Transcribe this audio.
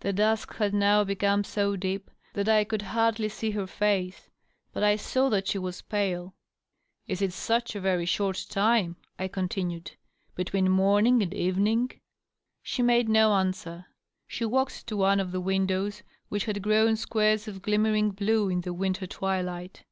The dusk had now become so deep that I could hardly see her face ; but I saw that she was pale. "Is it such a very short time," I continued, "between morning and evening?" She made no answer. She walked to one of the windows, which had grown squares of glimmering blue in the winter twilight.